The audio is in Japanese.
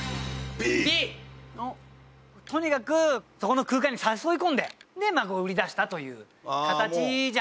とにかくそこの空間に誘い込んでで売り出したという形じゃないですかね？